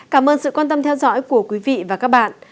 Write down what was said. cảm ơn sự quan tâm theo dõi của quý vị và các bạn